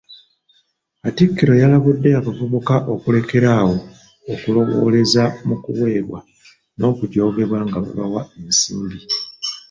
Katikkiro yalabudde abavubuka okulekera awo okulowoleza mu kuwebwa n'okujoogebwa nga babawa ensimbi.